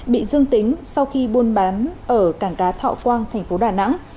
bị dương tính sau khi buôn bán ở cảng cá thọ quang thành phố đà nẵng